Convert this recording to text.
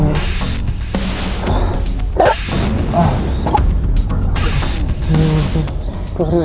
keluarin aja arnie